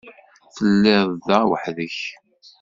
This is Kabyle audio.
Telliḍ da weḥd-k?